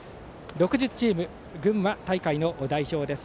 ６０チーム、群馬大会の代表です。